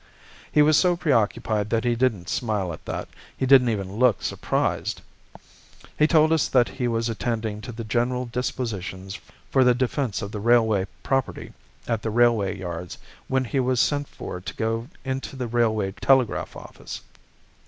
"He was so preoccupied that he didn't smile at that, he didn't even look surprised. "He told us that he was attending to the general dispositions for the defence of the railway property at the railway yards when he was sent for to go into the railway telegraph office.